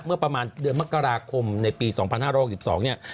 เมื่อประมาณเดือนมกราคมในปี๒๕๖๒เนี่ย